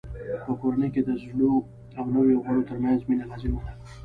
په کورنۍ کې د زړو او نویو غړو ترمنځ مینه لازمه ده.